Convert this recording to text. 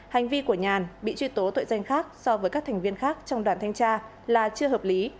hành vi của nhàn bị truy tố tội danh khác so với các thành viên khác trong đoàn thanh tra là chưa hợp lý